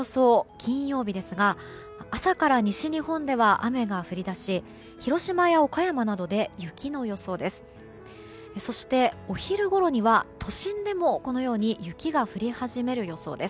金曜日ですが朝から西日本では雨が降り出し広島や岡山などで雪の予想です。